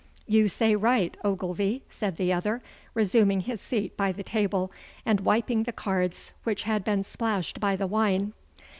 'You say right, Ogilvy,' said the other, resuming his seat by the table and wiping the cards which had been splashed by the wine.